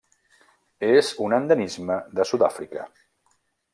És un endemisme de Sud-àfrica.